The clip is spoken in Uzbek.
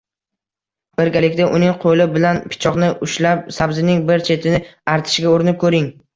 Birgalikda uning qo‘li bilan pichoqni ushlab sabzining bir chetini artishga urinib ko‘ring.